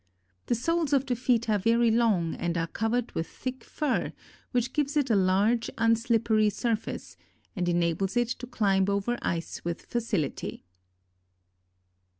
The soles of the feet are very long and are covered with thick fur, which gives it a large unslippery surface, and enables it to climb over ice with facility.